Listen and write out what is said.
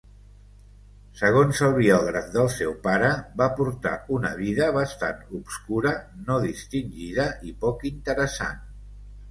Segons el biògraf del seu pare, va portar una vida bastant "obscura, no distingida i poc interessant".